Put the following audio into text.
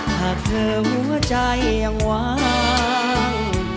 หากเธอหัวใจยังวาง